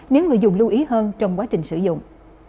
nếu người dùng lưu ý hơn trong quá trình sử dụng